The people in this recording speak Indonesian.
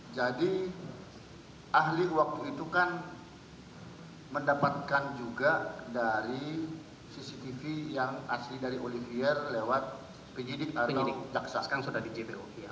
jadi ahli waktu itu kan mendapatkan juga dari cctv yang asli dari olivier lewat penyidik atau